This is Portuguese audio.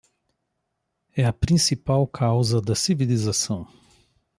É a principal causa da civilização